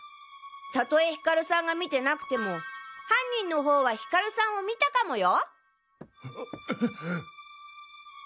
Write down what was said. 例えヒカルさんが見てなくても犯人の方はヒカルさんを見たかもよ。